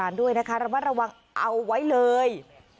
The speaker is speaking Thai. รับว่าระวังเอาไว้เลย